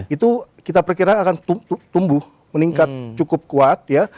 itu kita perkirakan akan tumbuh meningkat cukup kuat ya